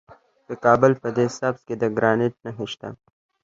د کابل په ده سبز کې د ګرانیټ نښې شته.